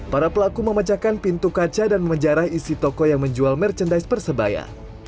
para pelaku memecahkan pintu kaca dan menjarah isi toko yang menjual merchandise persebaya